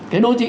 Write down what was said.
cái đô thị